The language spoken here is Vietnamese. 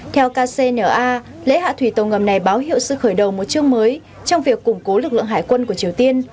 theo kcna lễ hạ thủy tàu ngầm này báo hiệu sự khởi đầu một chương mới trong việc củng cố lực lượng hải quân của triều tiên